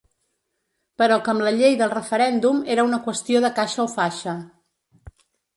Però que amb la llei del referèndum era una qüestió de caixa o faixa.